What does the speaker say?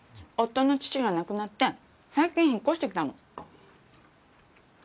夫の父が亡くなって最近引っ越してきたの。